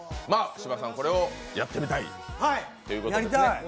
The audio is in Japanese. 芝さん、これをやってみたいということですね